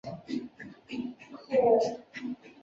在内阁部长和其他部长之下还有助理部长。